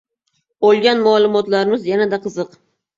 Olgan maʼlumotlarimiz yanada qiziq.